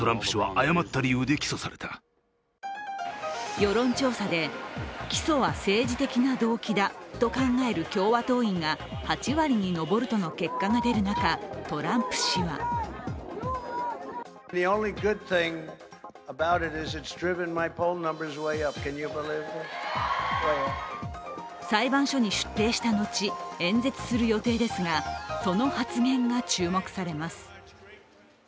世論調査で、起訴は政治的な動機だと考える共和党員が８割に上るとの結果が出る中、トランプ氏は裁判所に出廷した後、演説する予定ですがその発言が注目されます。